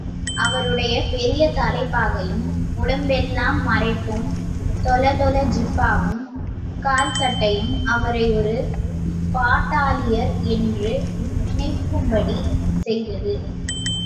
அவருடைய பெரிய தலைப்பாகையும், உடம்பெல்லாம் மறைக்கும் தொளதொள ஜிப்பாவும் கால்சட்டையும் அவரை ஒரு பட்டாணியர் என்று நினைக்கும்படி செய்தது.